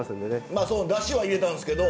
まあだしは入れたんですけど。